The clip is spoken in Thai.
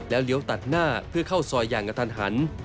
แล้วเลี้ยวตัดหน้าเพื่อเข้าซอยอย่างอัธรรณ